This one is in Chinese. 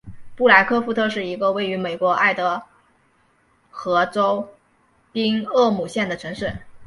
布莱克富特是一个位于美国爱达荷州宾厄姆县的城市。